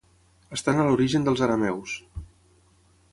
Estan a l'origen dels arameus.